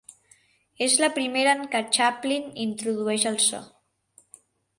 És la primera en què Chaplin introdueix el so.